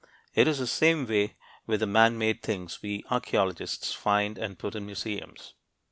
It is the same way with the man made things we archeologists find and put in museums.